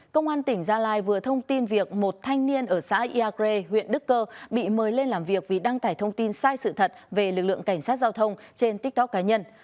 công an tỉnh gia lai vừa thông tin việc một thanh niên ở xã iagre huyện đức cơ bị mời lên làm việc vì đăng tải thông tin sai sự thật về lực lượng cảnh sát giao thông trên tiktok cá nhân